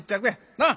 なあ？